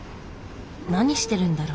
何してるんだろう？